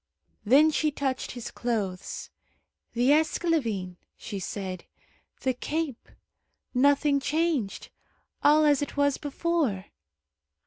Then she touched his clothes. "The esclavine," she said, "the cape. Nothing changed; all as it was before."